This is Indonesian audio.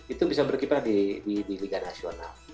itu bisa berkiprah di liga nasional